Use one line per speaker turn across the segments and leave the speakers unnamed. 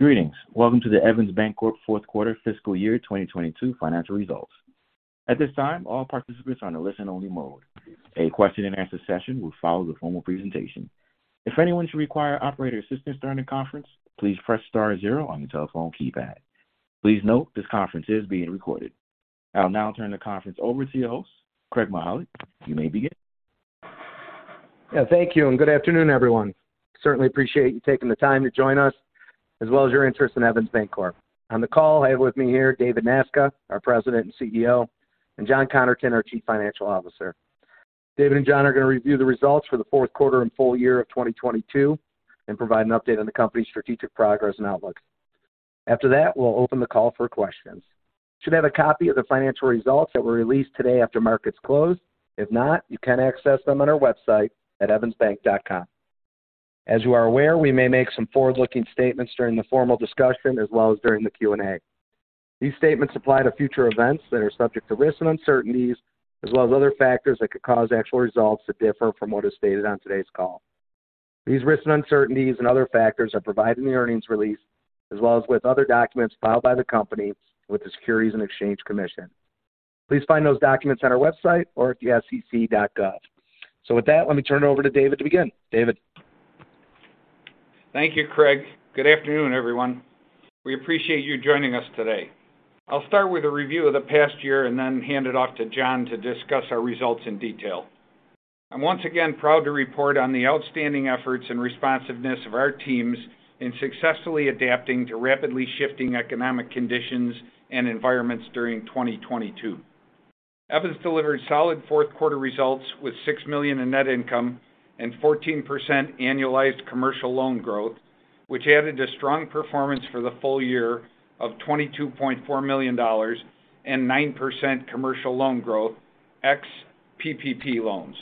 Greetings. Welcome to the Evans Bancorp fourth quarter fiscal year 2022 financial results. At this time, all participants are in a listen-only mode. A question-and-answer session will follow the formal presentation. If anyone should require operator assistance during the conference, please press star zero on your telephone keypad. Please note this conference is being recorded. I'll now turn the conference over to your host, Craig Mahalik. You may begin.
Thank you, and good afternoon, everyone. Certainly appreciate you taking the time to join us, as well as your interest in Evans Bancorp. On the call I have with me here David Nasca, our President and CEO, and John Connerton, our Chief Financial Officer. David and John are going to review the results for the fourth quarter and full year of 2022 and provide an update on the company's strategic progress and outlooks. After that, we'll open the call for questions. You should have a copy of the financial results that were released today after markets closed. If not, you can access them on our website at evansbank.com. As you are aware, we may make some forward-looking statements during the formal discussion as well as during the Q&A. These statements apply to future events that are subject to risks and uncertainties as well as other factors that could cause actual results to differ from what is stated on today's call. These risks and uncertainties and other factors are provided in the earnings release as well as with other documents filed by the company with the Securities and Exchange Commission. Please find those documents on our website or at sec.gov. With that, let me turn it over to David to begin. David?
Thank you, Craig. Good afternoon, everyone. We appreciate you joining us today. I'll start with a review of the past year and then hand it off to John to discuss our results in detail. I'm once again proud to report on the outstanding efforts and responsiveness of our teams in successfully adapting to rapidly shifting economic conditions and environments during 2022. Evans delivered solid fourth quarter results with six million in net income and 14% annualized commercial loan growth, which added a strong performance for the full year of $22.4 million and 9% commercial loan growth ex-PPP loans.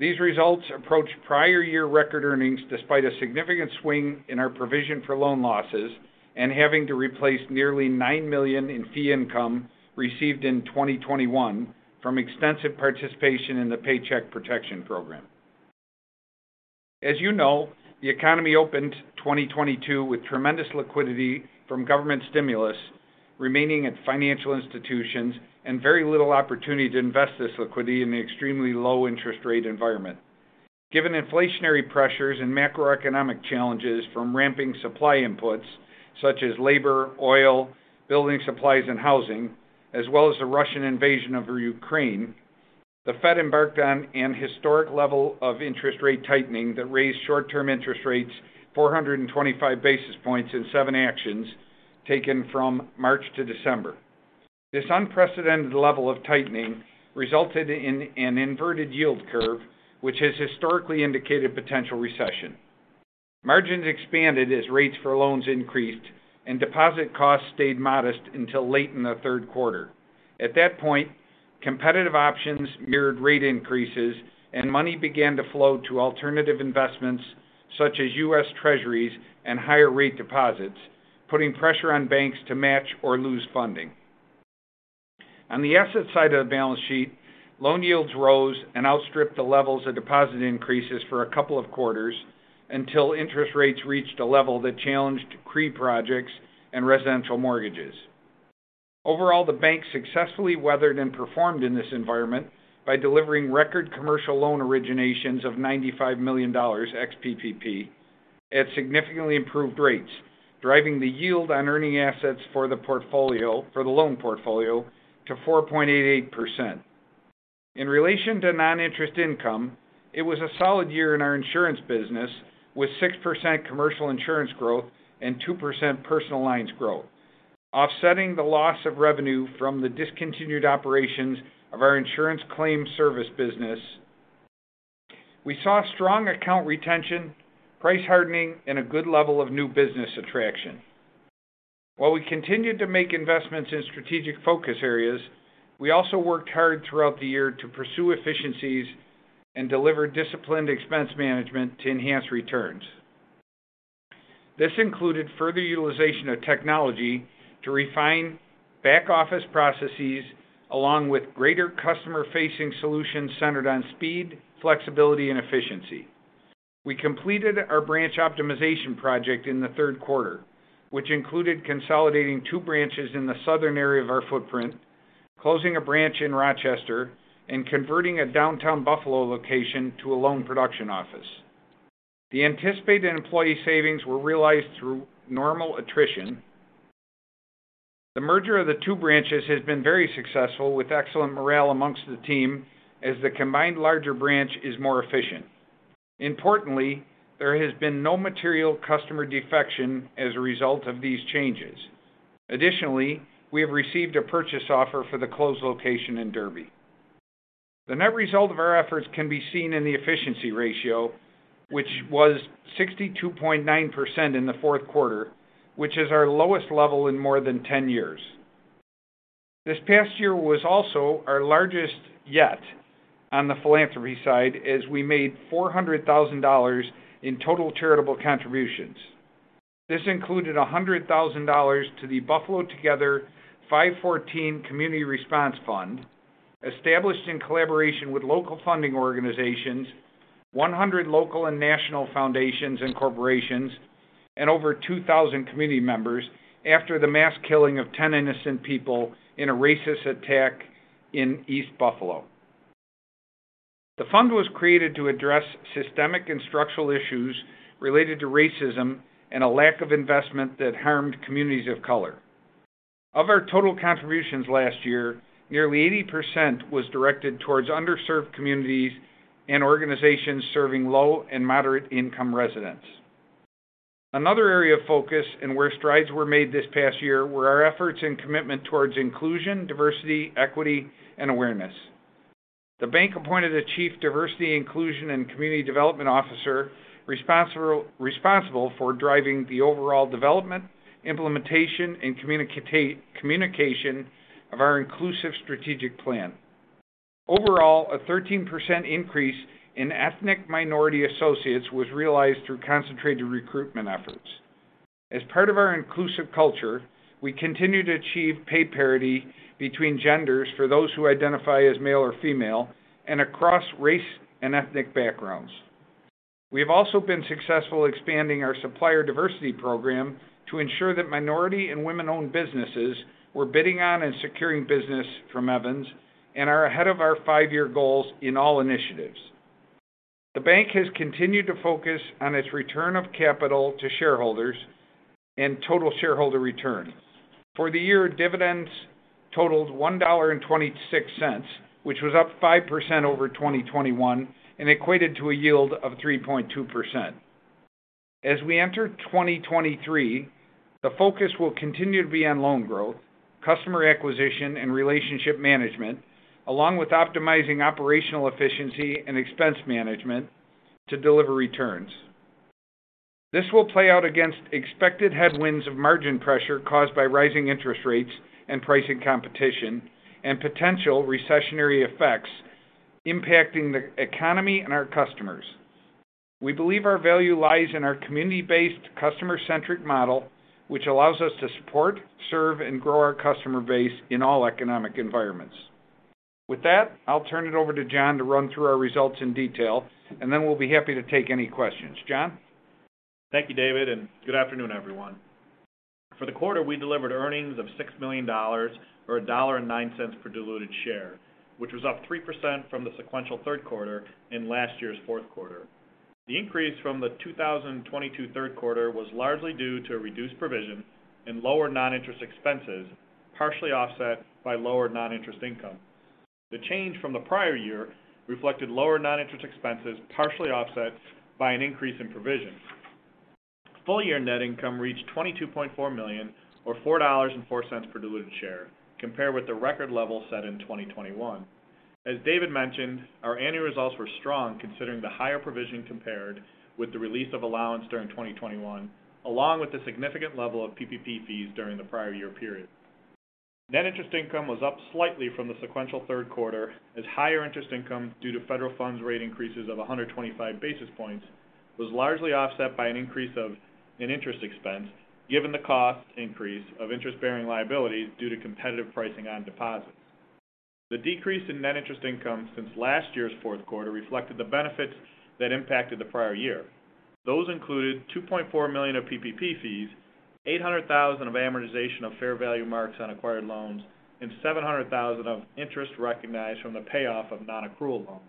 These results approach prior year record earnings despite a significant swing in our provision for loan losses and having to replace nearly nine million in fee income received in 2021 from extensive participation in the Paycheck Protection Program. As you know, the economy opened 2022 with tremendous liquidity from government stimulus remaining at financial institutions and very little opportunity to invest this liquidity in the extremely low interest rate environment. Given inflationary pressures and macroeconomic challenges from ramping supply inputs such as labor, oil, building supplies, and housing, as well as the Russian invasion over Ukraine, the Fed embarked on an historic level of interest rate tightening that raised short-term interest rates 425 basis points in 7 actions taken from March to December. This unprecedented level of tightening resulted in an inverted yield curve, which has historically indicated potential recession. Margins expanded as rates for loans increased and deposit costs stayed modest until late in the third quarter. At that point, competitive options mirrored rate increases and money began to flow to alternative investments such as U.S. Treasuries and higher rate deposits, putting pressure on banks to match or lose funding. On the asset side of the balance sheet, loan yields rose and outstripped the levels of deposit increases for a couple of quarters until interest rates reached a level that challenged CRE projects and residential mortgages. Overall, the bank successfully weathered and performed in this environment by delivering record commercial loan originations of $95 million ex-PPP at significantly improved rates, driving the yield on earning assets for the loan portfolio to 4.88%. In relation to non-interest income, it was a solid year in our insurance business with 6% commercial insurance growth and 2% personal lines growth, offsetting the loss of revenue from the discontinued operations of our insurance claims service business. We saw strong account retention, price hardening, and a good level of new business attraction. We continued to make investments in strategic focus areas, we also worked hard throughout the year to pursue efficiencies and deliver disciplined expense management to enhance returns. This included further utilization of technology to refine back-office processes along with greater customer-facing solutions centered on speed, flexibility, and efficiency. We completed our branch optimization project in the third quarter, which included consolidating 2 branches in the southern area of our footprint, closing a branch in Rochester, and converting a downtown Buffalo location to a loan production office. The anticipated employee savings were realized through normal attrition. The merger of the two branches has been very successful with excellent morale amongst the team as the combined larger branch is more efficient. Importantly, there has been no material customer defection as a result of these changes. Additionally, we have received a purchase offer for the closed location in Derby. The net result of our efforts can be seen in the efficiency ratio, which was 62.9% in the fourth quarter, which is our lowest level in more than 10 years. This past year was also our largest yet on the philanthropy side, as we made $400,000 in total charitable contributions. This included $100,000 to the Buffalo Together Community Response Fund, established in collaboration with local funding organizations. 100 local and national foundations and corporations, and over 2,000 community members after the mass killing of 10 innocent people in a racist attack in East Buffalo. The fund was created to address systemic and structural issues related to racism and a lack of investment that harmed communities of color. Of our total contributions last year, nearly 80% was directed towards underserved communities and organizations serving low and moderate income residents. Another area of focus and where strides were made this past year were our efforts and commitment towards inclusion, diversity, equity and awareness. The bank appointed a Chief Diversity, Inclusion and Community Development Officer responsible for driving the overall development, implementation and communication of our inclusive strategic plan. Overall, a 13% increase in ethnic minority associates was realized through concentrated recruitment efforts. As part of our inclusive culture, we continue to achieve pay parity between genders for those who identify as male or female and across race and ethnic backgrounds. We have also been successful expanding our supplier diversity program to ensure that minority and women-owned businesses were bidding on and securing business from Evans and are ahead of our 5-year goals in all initiatives. The bank has continued to focus on its return of capital to shareholders and total shareholder return. For the year, dividends totaled $1.26, which was up 5% over 2021 and equated to a yield of 3.2%. As we enter 2023, the focus will continue to be on loan growth, customer acquisition and relationship management, along with optimizing operational efficiency and expense management to deliver returns. This will play out against expected headwinds of margin pressure caused by rising interest rates and pricing competition and potential recessionary effects impacting the economy and our customers. We believe our value lies in our community-based, customer-centric model, which allows us to support, serve and grow our customer base in all economic environments. With that, I'll turn it over to John to run through our results in detail, and then we'll be happy to take any questions. John?
Thank you, David. Good afternoon, everyone. For the quarter, we delivered earnings of $6 million or 1.09 per diluted share, which was up 3% from the sequential third quarter in last year's fourth quarter. The increase from the 2022 third quarter was largely due to a reduced provision and lower non-interest expenses, partially offset by lower non-interest income. The change from the prior year reflected lower non-interest expenses, partially offset by an increase in provisions. Full year net income reached $22.4 million or 4.04 per diluted share compared with the record level set in 2021. As David mentioned, our annual results were strong considering the higher provision compared with the release of allowance during 2021 along with the significant level of PPP fees during the prior year period. Net interest income was up slightly from the sequential third quarter as higher interest income due to Fed funds rate increases of 125 basis points was largely offset by an increase of an interest expense given the cost increase of interest-bearing liabilities due to competitive pricing on deposits. The decrease in net interest income since last year's fourth quarter reflected the benefits that impacted the prior year. Those included 2.4 million of PPP fees, 800,000 of amortization of fair value marks on acquired loans and 700,000 of interest recognized from the payoff of non-accrual loans.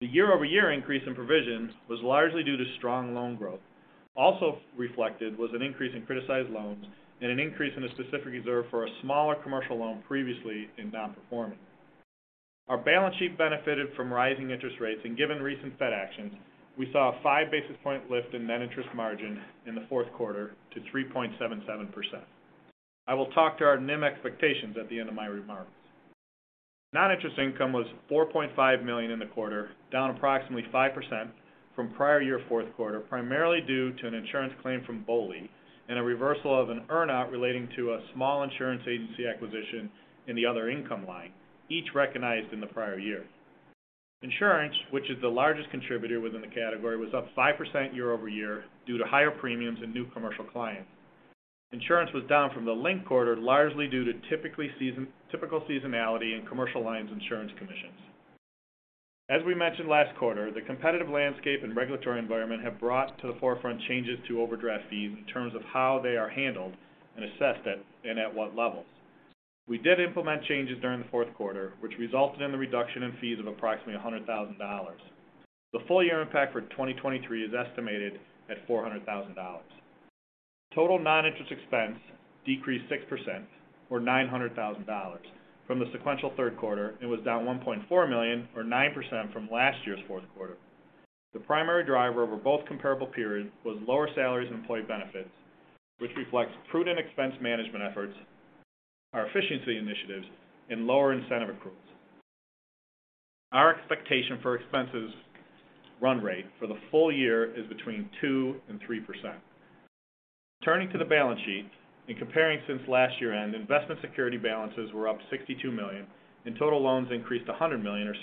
The year-over-year increase in provisions was largely due to strong loan growth. Also reflected was an increase in criticized loans and an increase in a specific reserve for a smaller commercial loan previously in non-performing. Our balance sheet benefited from rising interest rates and given recent Fed actions, we saw a five basis point lift in net interest margin in the fourth quarter to 3.77%. I will talk to our NIM expectations at the end of my remarks. Non-interest income was 4.5 million in the quarter, down approximately 5% from prior year fourth quarter, primarily due to an insurance claim from Boley and a reversal of an earn-out relating to a small insurance agency acquisition in the other income line, each recognized in the prior year. Insurance, which is the largest contributor within the category, was up 5% year-over-year due to higher premiums and new commercial clients. Insurance was down from the linked quarter, largely due to typical seasonality in commercial lines insurance commissions. As we mentioned last quarter, the competitive landscape and regulatory environment have brought to the forefront changes to overdraft fees in terms of how they are handled and assessed at, and at what levels. We did implement changes during the fourth quarter, which resulted in the reduction in fees of approximately $100,000. The full year impact for 2023 is estimated at $400,000. Total non-interest expense decreased 6% or $900,000 from the sequential third quarter and was down 1.4 million or 9% from last year's fourth quarter. The primary driver over both comparable periods was lower salaries and employee benefits, which reflects prudent expense management efforts, our efficiency initiatives and lower incentive accruals. Our expectation for expenses run rate for the full year is between 2%-3%. Turning to the balance sheet and comparing since last year-end, investment security balances were up 62 million and total loans increased 100 million or 6%.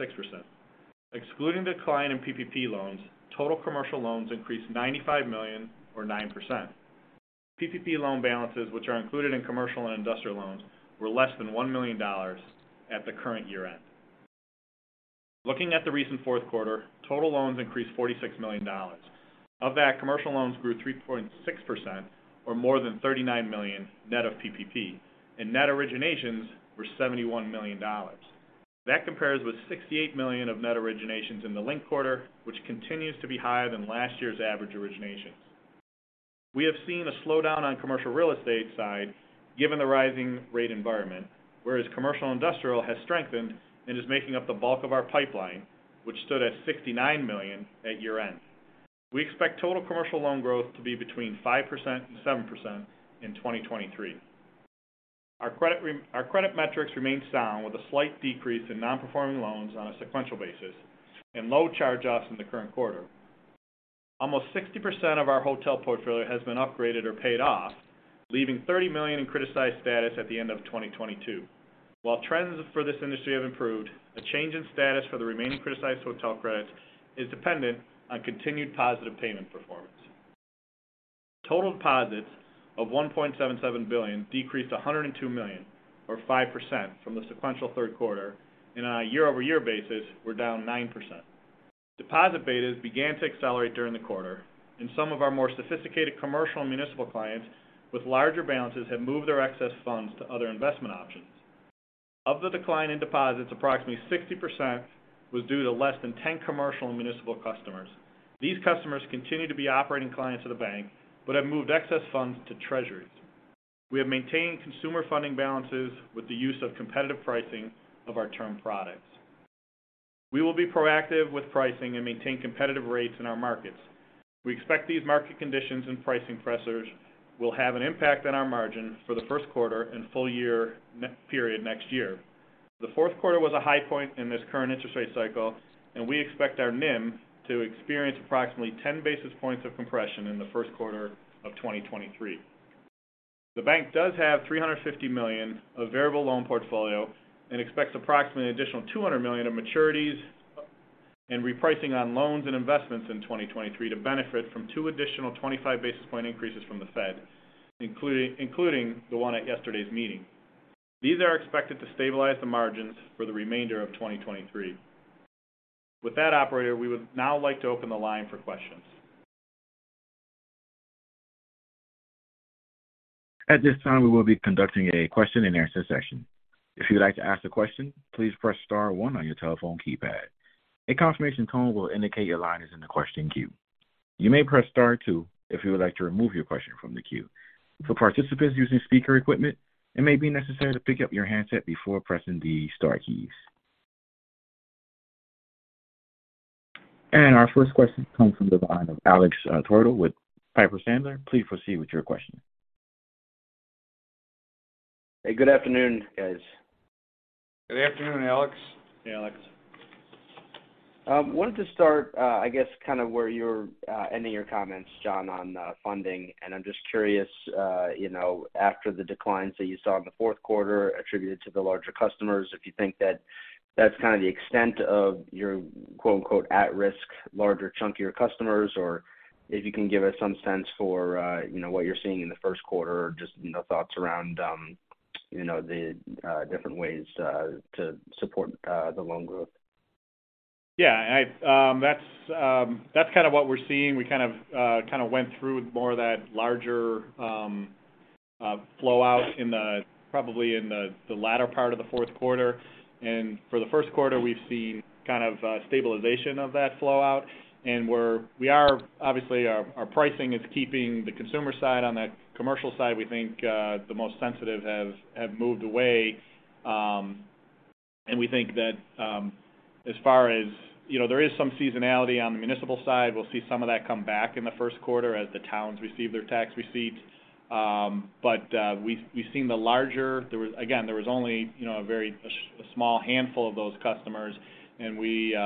Excluding the decline in PPP loans, total commercial loans increased 95 million or 9%. PPP loan balances, which are included in commercial and industrial loans, were less than $1 million at the current year-end. Looking at the recent fourth quarter, total loans increased $46 million. Of that, commercial loans grew 3.6% or more than 39 million net of PPP, and net originations were $71 million. That compares with $68 million of net originations in the linked quarter, which continues to be higher than last year's average originations. We have seen a slowdown on commercial real estate side given the rising rate environment, whereas commercial industrial has strengthened and is making up the bulk of our pipeline, which stood at $69 million at year-end. We expect total commercial loan growth to be between 5% and 7% in 2023. Our credit metrics remain sound with a slight decrease in non-performing loans on a sequential basis and low charge-offs in the current quarter. Almost 60% of our hotel portfolio has been upgraded or paid off, leaving 30 million in criticized status at the end of 2022. While trends for this industry have improved, a change in status for the remaining criticized hotel credits is dependent on continued positive payment performance. Total deposits of 1.77 billion decreased 102 million or 5% from the sequential third quarter, and on a year-over-year basis, we're down 9%. Deposit betas began to accelerate during the quarter, and some of our more sophisticated commercial and municipal clients with larger balances have moved their excess funds to other investment options. Of the decline in deposits, approximately 60% was due to less than 10 commercial and municipal customers. These customers continue to be operating clients of the bank but have moved excess funds to treasuries. We have maintained consumer funding balances with the use of competitive pricing of our term products. We will be proactive with pricing and maintain competitive rates in our markets. We expect these market conditions and pricing pressures will have an impact on our margin for the first quarter and full year period next year. The fourth quarter was a high point in this current interest rate cycle, and we expect our NIM to experience approximately 10 basis points of compression in the first quarter of 2023. The bank does have 350 million of variable loan portfolio and expects approximately an additional 200 million of maturities and repricing on loans and investments in 2023 to benefit from two additional 25 basis point increases from the Fed, including the one at yesterday's meeting. These are expected to stabilize the margins for the remainder of 2023. With that, operator, we would now like to open the line for questions.
At this time, we will be conducting a question and answer session. If you would like to ask a question, please press star one on your telephone keypad. A confirmation tone will indicate your line is in the question queue. You may press star two if you would like to remove your question from the queue. For participants using speaker equipment, it may be necessary to pick up your handset before pressing the star keys. Our first question comes from the line of Alex Tarsia with Piper Sandler. Please proceed with your question.
Hey, good afternoon, guys.
Good afternoon, Alex.
Hey, Alex. wanted to start, I guess kind of where you're ending your comments, John, on funding. I'm just curious, you know, after the declines that you saw in the fourth quarter attributed to the larger customers, if you think that that's kind of the extent of your quote-unquote, at-risk larger chunk of your customers, or if you can give us some sense for, you know, what you're seeing in the first quarter or just, you know, thoughts around, you know, the different ways to support the loan growth.
Yeah. That's kind of what we're seeing. We kind of went through more of that larger flow out probably in the latter part of the fourth quarter. For the first quarter, we've seen kind of stabilization of that flow out. Obviously, our pricing is keeping the consumer side. On that commercial side, we think the most sensitive have moved away. We think that, as far as... You know, there is some seasonality on the municipal side. We'll see some of that come back in the first quarter as the towns receive their tax receipts. We've seen There was only, you know, a very small handful of those customers and we,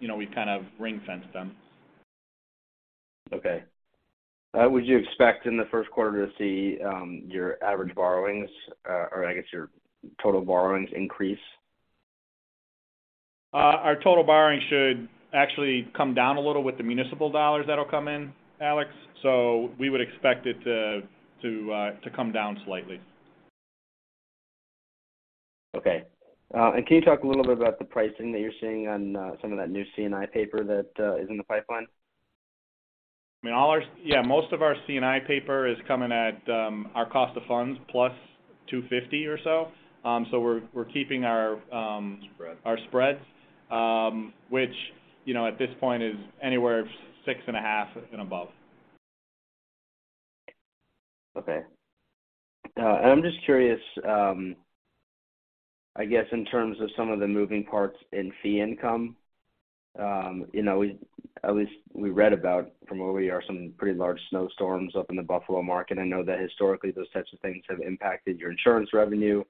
you know, we've kind of ring-fenced them.
Okay. Would you expect in the first quarter to see your average borrowings, or I guess your total borrowings increase?
Our total borrowings should actually come down a little with the municipal dollars that'll come in, Alex. We would expect it to come down slightly.
Okay. Can you talk a little bit about the pricing that you're seeing on some of that new C&I paper that is in the pipeline?
I mean, all our, yeah, most of our C&I paper is coming at our cost of funds plus 250 or so. We're keeping our.
Spread...
our spreads, which, you know, at this point is anywhere 6.5 and above.
Okay. And I'm just curious, I guess in terms of some of the moving parts in fee income. You know, at least we read about from where we are, some pretty large snowstorms up in the Buffalo market. I know that historically those types of things have impacted your insurance revenue.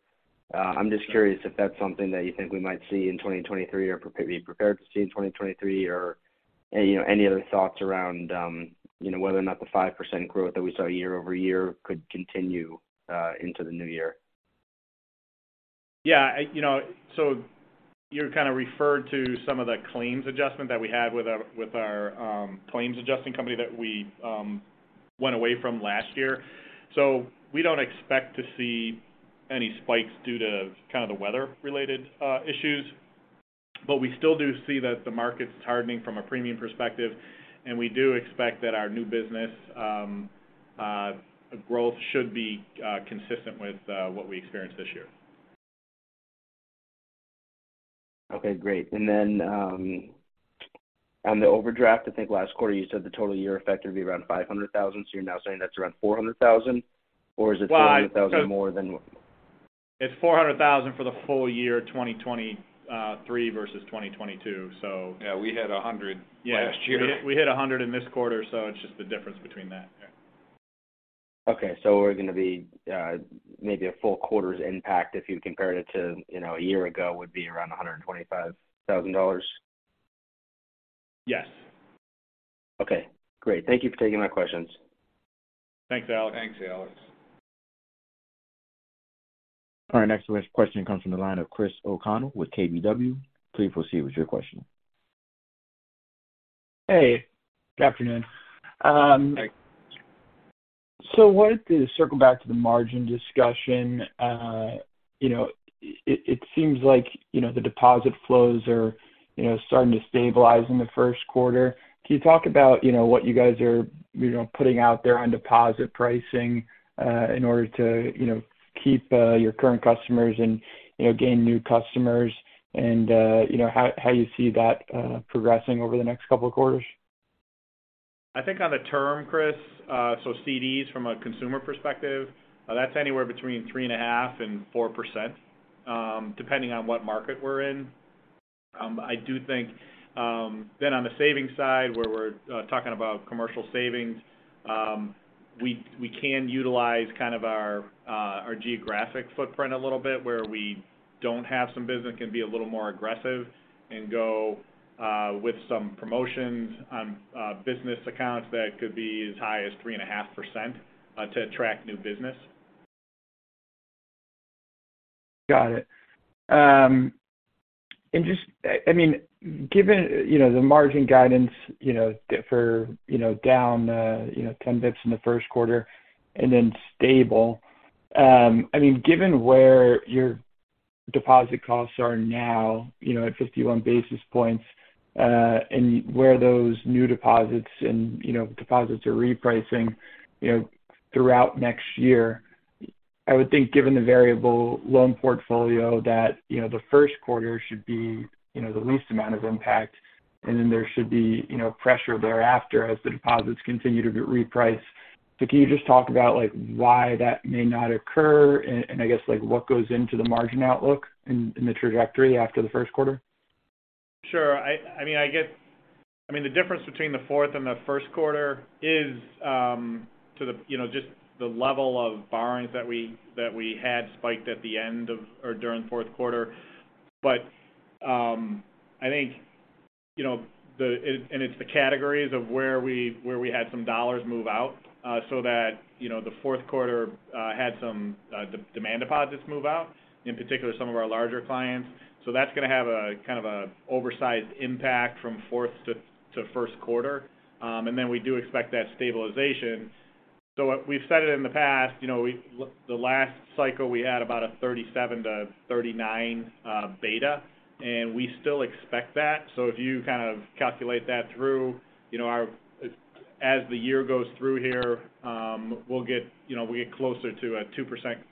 I'm just curious if that's something that you think we might see in 2023 or be prepared to see in 2023 or any, you know, any other thoughts around, you know, whether or not the 5% growth that we saw year-over-year could continue into the new year?
Yeah, you know, you kind of referred to some of the claims adjustment that we had with our, with our claims adjusting company that we went away from last year. We don't expect to see any spikes due to kind of the weather-related issues, but we still do see that the market's hardening from a premium perspective, and we do expect that our new business growth should be consistent with what we experience this year.
Okay, great. On the overdraft, I think last quarter you said the total year effect would be around 500,000. You're now saying that's around 400,000?
Well.
400,000 more than what?
It's 400,000 for the full year 2023 versus 2022.
Yeah, we hit 100 last year.
Yeah. We hit 100 in this quarter, so it's just the difference between that. Yeah.
We're gonna be, maybe a full quarter's impact if you compared it to, you know, a year ago, would be around $125,000?
Yes.
Okay, great. Thank you for taking my questions.
Thanks, Alex.
Thanks, Alex.
All right. Next question comes from the line of Christopher O'Connell with KBW. Please proceed with your question.
Hey, good afternoon.
Hi.
What is circle back to the margin discussion. you know, it seems like, you know, the deposit flows are, you know, starting to stabilize in the first quarter. Can you talk about, you know, what you guys are, you know, putting out there on deposit pricing in order to, you know, keep your current customers and, you know, gain new customers and, you know, how you see that progressing over the next couple of quarters?
I think on the term, Chris. CDs from a consumer perspective, that's anywhere between 3.5%-4%, depending on what market we're in. I do think. On the savings side, where we're talking about commercial savings, we can utilize kind of our geographic footprint a little bit where we don't have some business, can be a little more aggressive and go with some promotions on business accounts that could be as high as 3.5%, to attract new business.
Got it. And just... I mean, given, you know, the margin guidance, you know, for, you know, down, you know, 10 basis points in the first quarter and then stable, I mean, given where your deposit costs are now, you know, at 51 basis points, and where those new deposits and, you know, deposits are repricing, you know, throughout next year, I would think, given the variable loan portfolio that, you know, the first quarter should be, you know, the least amount of impact, and then there should be, you know, pressure thereafter as the deposits continue to reprice. Can you just talk about like why that may not occur and I guess, like, what goes into the margin outlook in the trajectory after the first quarter?
Sure. I mean, the difference between the fourth and the first quarter is, to the, you know, just the level of borrowings that we had spiked at the end of or during the fourth quarter. I think, you know, and it's the categories of where we had some dollars move out, so that, you know, the fourth quarter had some demand deposits move out, in particular some of our larger clients. That's gonna have a kind of a oversized impact from fourth to first quarter. Then we do expect that stabilization. We've said it in the past, you know, the last cycle, we had about a 37-39 beta, and we still expect that. If you kind of calculate that through, you know, as the year goes through here, we'll get, you know, we get closer to a 2%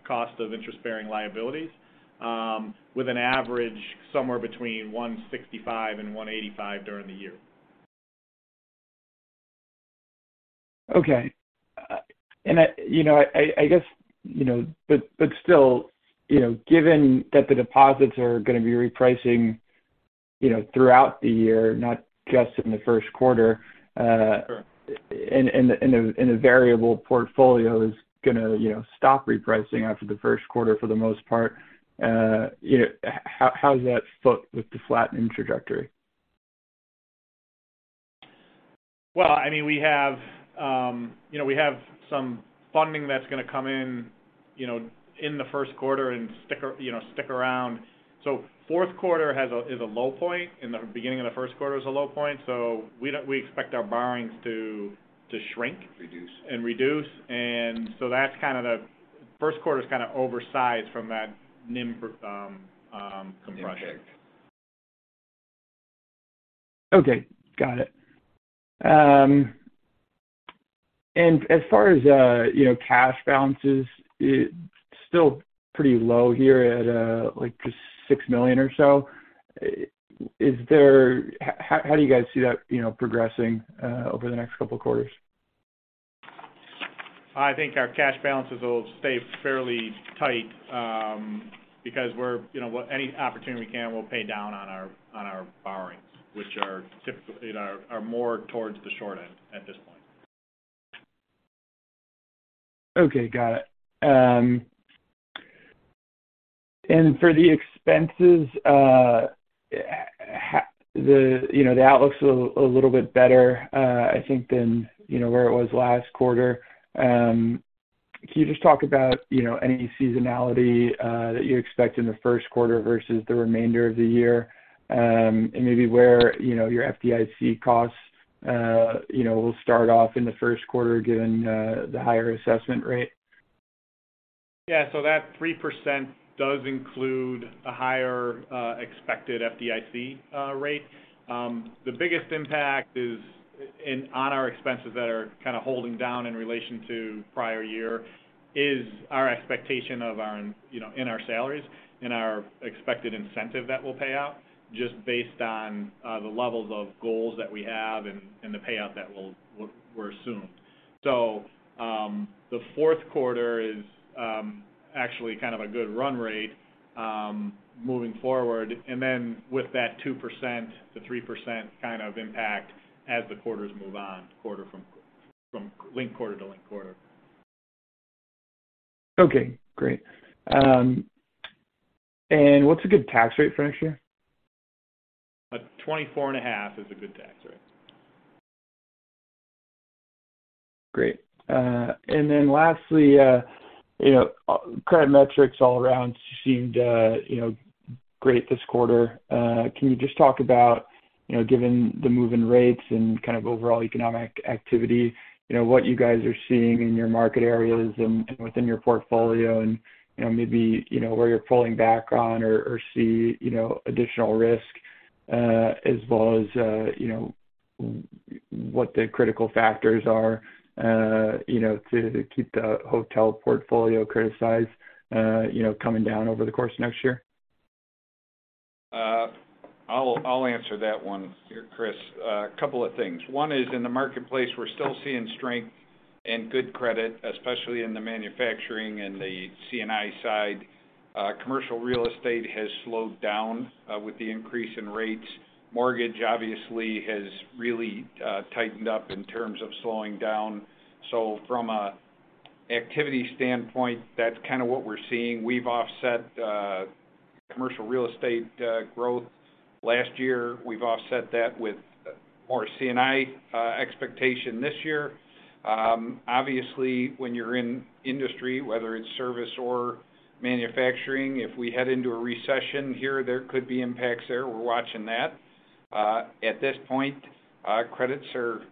cost of interest-bearing liabilities, with an average somewhere between 165 and 185 during the year.
Okay. I, you know, I guess, you know. Still, you know, given that the deposits are gonna be repricing, you know, throughout the year, not just in the first quarter.
Sure.
The variable portfolio is gonna, you know, stop repricing after the first quarter for the most part, you know, how does that foot with the flattening trajectory?
Well, I mean, we have, you know, we have some funding that's gonna come in, you know, in the first quarter and stick, you know, stick around. Fourth quarter is a low point, and the beginning of the first quarter is a low point, so we expect our borrowings to shrink.
Reduce.
reduce. That's kind of first quarter's kind of oversized from that NIM compression.
Impact.
Okay, got it. As far as, you know, cash balances, it's still pretty low here at like just 6 million or so. How do you guys see that, you know, progressing over the next couple of quarters?
I think our cash balances will stay fairly tight, because we're, you know, any opportunity we can, we'll pay down on our borrowings, which are typically more towards the short end at this point.
Okay. Got it. For the expenses, you know, the outlook's a little bit better, I think, than, you know, where it was last quarter. Can you just talk about, you know, any seasonality that you expect in the first quarter versus the remainder of the year? Maybe where, you know, your FDIC costs, you know, will start off in the first quarter given the higher assessment rate.
That 3% does include a higher expected FDIC rate. The biggest impact on our expenses that are kinda holding down in relation to prior year is our expectation of our, you know, in our salaries, in our expected incentive that we'll pay out just based on the levels of goals that we have and the payout that were assumed. The fourth quarter is actually kind of a good run rate moving forward. With that 2%-3% kind of impact as the quarters move on quarter from linked quarter to linked quarter.
Okay. Great. What's a good tax rate for next year?
24.5% is a good tax rate.
Great. Then lastly, you know, credit metrics all around seemed, you know, great this quarter. Can you just talk about, you know, given the move in rates and kind of overall economic activity, you know, what you guys are seeing in your market areas and, within your portfolio and, you know, maybe, you know, where you're pulling back on or see, you know, additional risk, as well as, you know, what the critical factors are, you know, to keep the hotel portfolio criticized, you know, coming down over the course of next year?
I'll answer that one here, Chris. A couple of things. One is in the marketplace, we're still seeing strength and good credit, especially in the manufacturing and the C&I side. Commercial real estate has slowed down with the increase in rates. Mortgage obviously has really tightened up in terms of slowing down. From a activity standpoint, that's kinda what we're seeing. We've offset commercial real estate growth last year. We've offset that with more C&I expectation this year. Obviously, when you're in industry, whether it's service or manufacturing, if we head into a recession here, there could be impacts there. We're watching that. At this point, credits are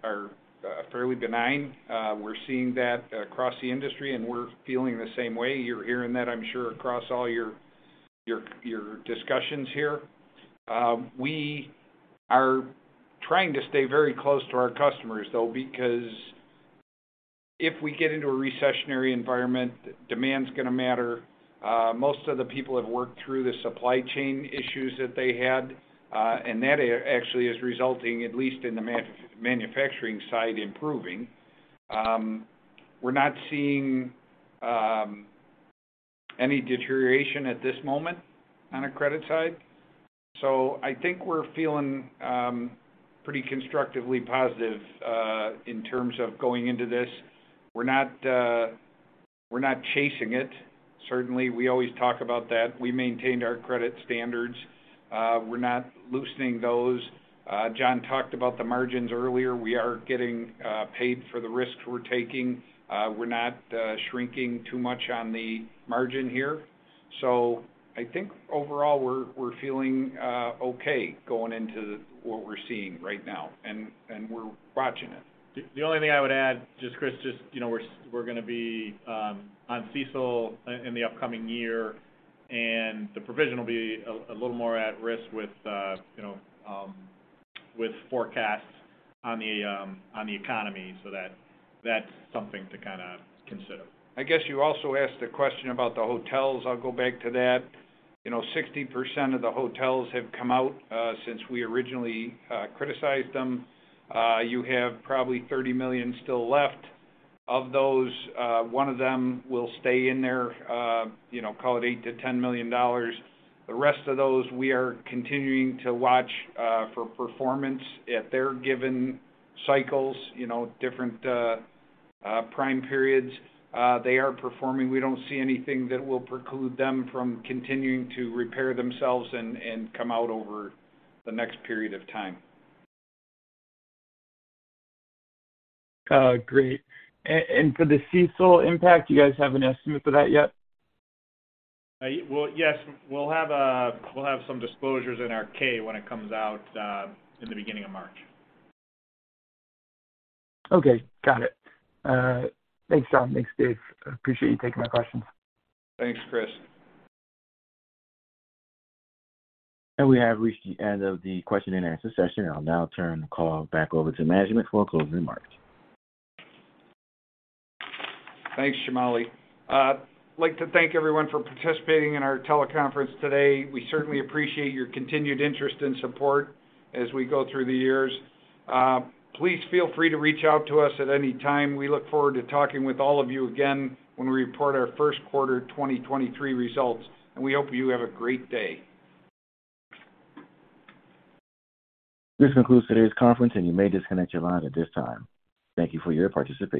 fairly benign. We're seeing that across the industry, and we're feeling the same way. You're hearing that, I'm sure, across all your discussions here. We are trying to stay very close to our customers, though, because if we get into a recessionary environment, demand's gonna matter. Most of the people have worked through the supply chain issues that they had, and that actually is resulting, at least in the manufacturing side, improving. We're not seeing any deterioration at this moment on a credit side. I think we're feeling pretty constructively positive in terms of going into this. We're not chasing it. Certainly, we always talk about that. We maintained our credit standards. We're not loosening those. John talked about the margins earlier. We are getting paid for the risks we're taking. We're not shrinking too much on the margin here. I think overall we're feeling, okay going into what we're seeing right now, and we're watching it.
The only thing I would add, just Chris, you know, we're gonna be on CECL in the upcoming year, and the provision will be a little more at risk with, you know, with forecasts on the economy. That's something to kinda consider.
I guess you also asked a question about the hotels. I'll go back to that. You know, 60% of the hotels have come out since we originally criticized them. You have probably $30 million still left. Of those, one of them will stay in there, you know, call it 8 million-$10 million. The rest of those we are continuing to watch for performance at their given cycles. You know, different prime periods. They are performing. We don't see anything that will preclude them from continuing to repair themselves and come out over the next period of time.
Oh, great. For the CECL impact, do you guys have an estimate for that yet?
Well, yes. We'll have some disclosures in our K when it comes out, in the beginning of March.
Okay. Got it. Thanks, John. Thanks, Dave. I appreciate you taking my questions.
Thanks, Chris.
We have reached the end of the question and answer session. I'll now turn the call back over to management for closing remarks.
Thanks, Shamali. I'd like to thank everyone for participating in our teleconference today. We certainly appreciate your continued interest and support as we go through the years. Please feel free to reach out to us at any time. We look forward to talking with all of you again when we report our first quarter 2023 results. We hope you have a great day.
This concludes today's conference, and you may disconnect your line at this time. Thank you for your participation.